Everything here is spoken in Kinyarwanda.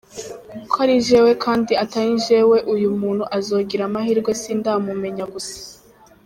ko ari jewe kandi atari jewe uyu muntu azogire amahirwe sindamumenye gusa.